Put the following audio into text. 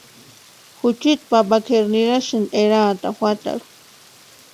Juchiti papakʼeri nirasti eraatani juatarhu.